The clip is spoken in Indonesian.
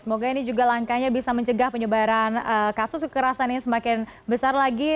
semoga ini juga langkahnya bisa mencegah penyebaran kasus kekerasan yang semakin besar lagi